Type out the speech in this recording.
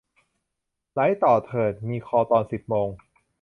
ไหลต่อเถิด มีคอลตอนสิบโมง